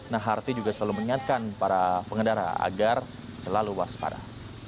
nah harti juga selalu mengingatkan para pengendara agar selalu waspada